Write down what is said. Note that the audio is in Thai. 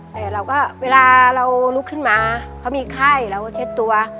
แต่เราก็เวลาเราลุกขึ้นมาเขามีไข้เราก็เช็ดตัว